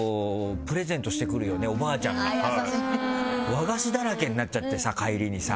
和菓子だらけになっちゃってさ帰りにさ。